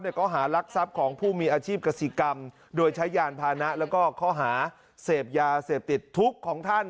ข้อหารักทรัพย์ของผู้มีอาชีพกษีกรรมโดยใช้ยานพานะแล้วก็ข้อหาเสพยาเสพติดทุกข์ของท่าน